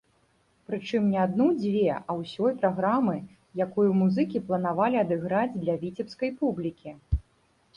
Прычым, не адну-дзве, а ўсёй праграмы, якую музыкі планавалі адыграць для віцебскай публікі.